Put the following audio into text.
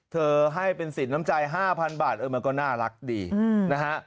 ให้เป็นสินน้ำใจ๕๐๐๐บาทเออมันก็น่ารักดีนะฮะ